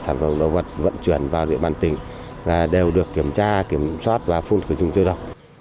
sản phẩm động vật vận chuyển vào địa bàn tỉnh đều được kiểm tra kiểm soát và phun khử trùng chưa được